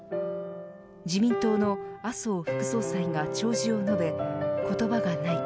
自民党の麻生副総裁が弔辞を述べ言葉がない。